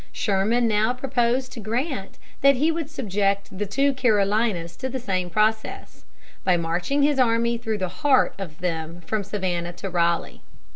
Sherman now proposed to Grant that he would subject the two Carolinas to the same process, by marching his army through the heart of them from Savannah to Raleigh.